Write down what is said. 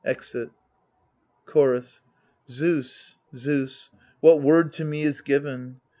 [Exit. Chorus Zeus, Zeus 1 what word to me is given